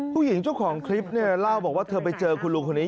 ผู้หญิงเจ้าของคลิปเนี่ยเล่าบอกว่าเธอไปเจอคุณลุงคนนี้